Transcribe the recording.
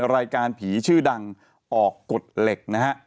รายการผีชื่อดังออกกฎเหล็กนะฮะ